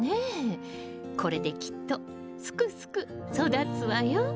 これできっとすくすく育つわよ。